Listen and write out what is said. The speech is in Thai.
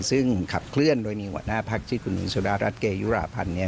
ซึ่งขับเคลื่อนโดยหนีหัวหน้าพักษ์ที่คุณสุดารัฐเกยุลาพันธุ์